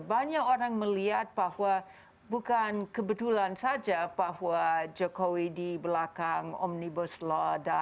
banyak orang melihat bahwa bukan kebetulan saja bahwa jokowi di belakang omnibus law